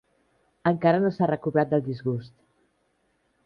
Encara no s'ha recobrat del disgust.